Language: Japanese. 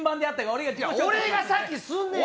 俺が先すんねんや！